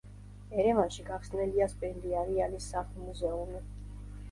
ერევანში გახსნილია სპენდიარიანის სახლ-მუზეუმი.